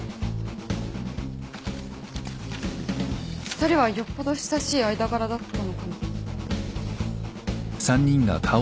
２人はよっぽど親しい間柄だったのかな？